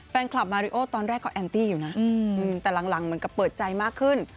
แฟนคลับมาริโอตอนแรกก็แอนตี้อยู่นะแต่หลังเหมือนกับเปิดใจมากขึ้น